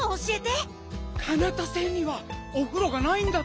カナタ星にはおふろがないんだって。